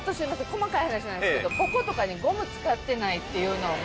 細かい話なんですけどこことかにゴム使ってないっていうのも。